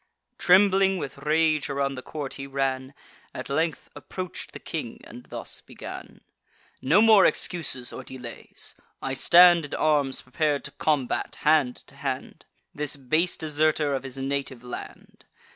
Trembling with rage, around the court he ran, At length approach'd the king, and thus began: "No more excuses or delays: I stand In arms prepar'd to combat, hand to hand, This base deserter of his native land.